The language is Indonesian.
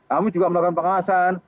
kami juga melakukan pengawasan